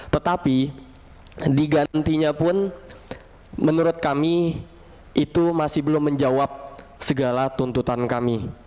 tetapi digantinya pun menurut kami itu masih belum menjawab segala tuntutan kami